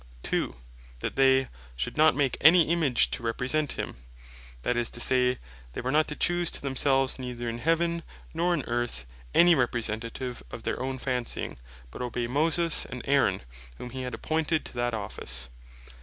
2. That they "should not make any Image to represent him;" that is to say, they were not to choose to themselves, neither in heaven, nor in earth, any Representative of their own fancying, but obey Moses and Aaron, whom he had appointed to that office.